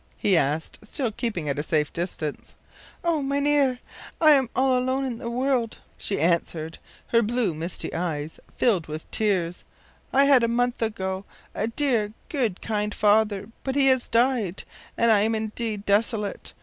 ” he asked, still keeping at a safe distance. “O mynheer, I am all alone in the world,” she answered, her blue misty eyes filled with tears. “I had a month ago a dear, good, kind father, but he has died, and I am indeed desolate.